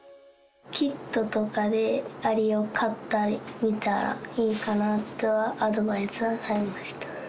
キットとかでアリを飼ってみたらいいかなとは、アドバイスされました。